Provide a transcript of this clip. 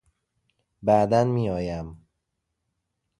بعدا میآیم.